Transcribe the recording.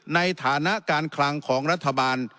ในฐานะการคลังของรัฐบาล